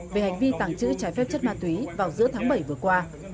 về hành vi tẳng chữ trái phép chất ma túy vào giữa tháng bảy vừa qua